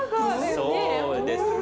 そうですね。